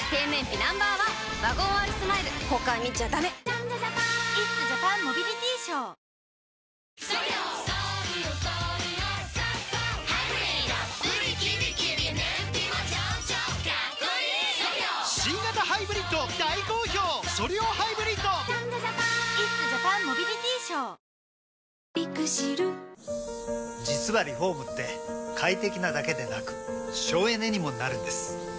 キユーピーマヨネーズ実はリフォームって快適なだけでなく省エネにもなるんです。